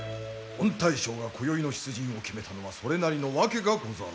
御大将がこよいの出陣を決めたのはそれなりの訳がござろう。